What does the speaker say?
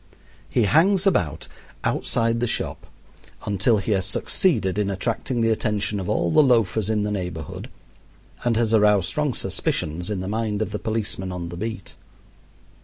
He hangs about outside the shop until he has succeeded in attracting the attention of all the loafers in the neighborhood and has aroused strong suspicions in the mind of the policeman on the beat.